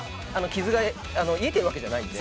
傷が癒えているわけじゃないので。